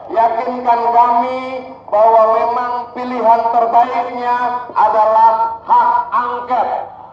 yakinkan kami bahwa memang pilihan terbaiknya adalah hak angket